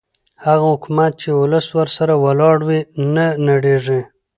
هغه حکومت چې ولس ورسره ولاړ وي نه نړېږي